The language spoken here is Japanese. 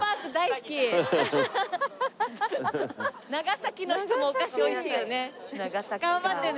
長崎のお菓子おいしいよね。